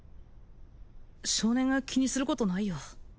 少年が気にすることないよ